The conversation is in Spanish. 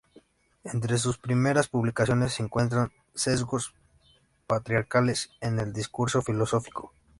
Entre sus primeras publicaciones se encuentran "Sesgos patriarcales en el discurso filosófico.